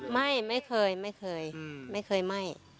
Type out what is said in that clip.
ไม่ไม่เคยไม่เคยไม่เคยไหม้